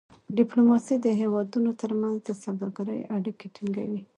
ډيپلوماسي د هېوادونو ترمنځ د سوداګری اړیکې ټینګوي.